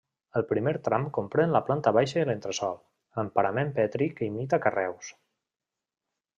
El primer tram comprèn la planta baixa i l'entresòl, amb parament petri que imita carreus.